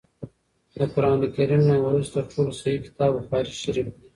د قران کريم نه وروسته تر ټولو صحيح کتاب بخاري شريف دی